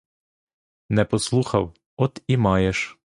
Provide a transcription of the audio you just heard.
Не послухав — от і маєш.